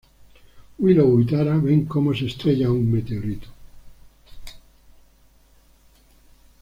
Willow y Tara ven cómo se estrella un meteorito.